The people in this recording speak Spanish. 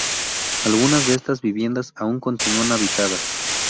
Algunas de estas viviendas aún continúan habitadas.